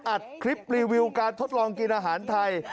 อัดคลิปรีวิวการทดลองกินอาหารไทย